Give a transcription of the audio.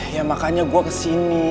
ya makanya gua kesini